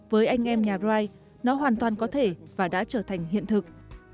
với anh em nhà rai nó hoàn toàn có thể và đã trở thành hiện thực